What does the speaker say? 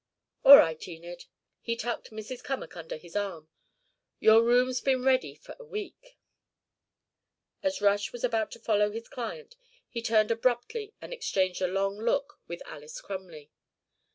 "All right, Enid." He tucked Mrs. Cummack under his arm. "Your room's been ready for a week." As Rush was about to follow his client he turned abruptly and exchanged a long look with Alys Crumley.